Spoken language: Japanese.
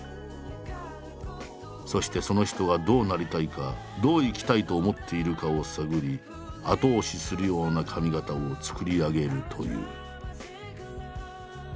そしてその人はどうなりたいかどう生きたいと思っているかを探り後押しするような髪型を作り上げるという。